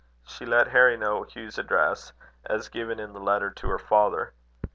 She let Harry know Hugh's address, as given in the letter to her father.